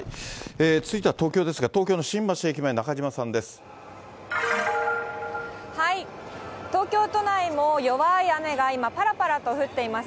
続いては東京ですが、東京の新橋駅前、東京都内も、弱い雨が今、ぱらぱらと降っています。